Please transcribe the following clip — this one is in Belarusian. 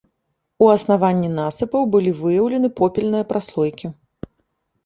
У аснаванні насыпаў былі выяўлены попельныя праслойкі.